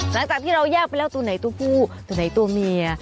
หลังจากที่เราแยกไปแล้วตัวไหนตัวผู้ตัวไหนตัวเมีย